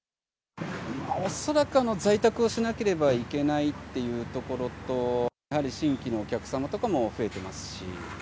恐らく在宅をしなければいけないというところと、やはり新規のお客様とかも増えてますし。